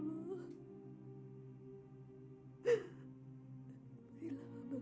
berilah hamba kesempatan